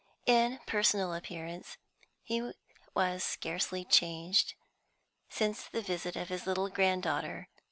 In personal appearance he was scarcely changed since the visit of his little grand daughter.